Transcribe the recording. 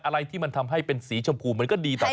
อะไรที่มันทำให้เป็นสีชมพูมันก็ดีต่อไป